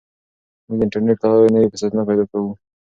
موږ د انټرنیټ له لارې نوي فرصتونه پیدا کوو.